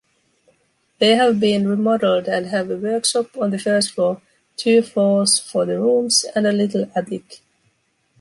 They have been remodeled and have a workshop on the first floor, two floors for the rooms and a little attic.